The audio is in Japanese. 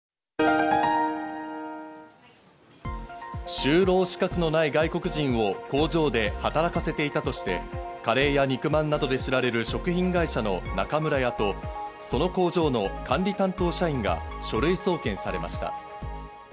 就労資格のない外国人を工場で働かせていたとして、カレーや肉まんなどで知られる食品会社の中村屋とその工場の管理担当社員が書類送検されました。